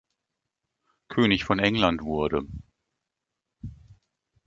König von England wurde.